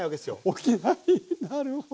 起きないなるほど。